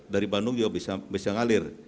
dari bandung juga bisa ngalir